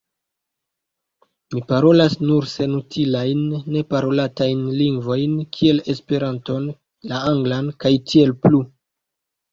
Mi parolas nur senutilajn, neparolatajn lingvojn kiel Esperanton, la anglan, kaj tiel plu.